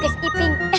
kalau ini tugas iping